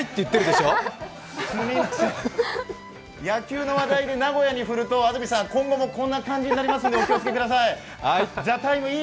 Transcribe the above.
すみません、野球の話題で名古屋に振ると安住さん、今後もこんな感じになりますので、お気をつけください。